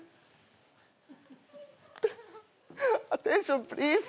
アテンションプリーズ。